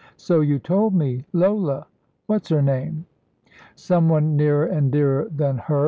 "So you told me. Lola what's her name?" "Some one nearer and dearer than her!"